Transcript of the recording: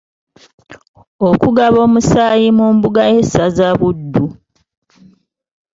Okugaba omusaayi mu mbuga y’essaza Buddu.